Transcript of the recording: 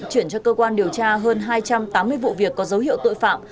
chuyển cho cơ quan điều tra hơn hai trăm tám mươi vụ việc có dấu hiệu tội phạm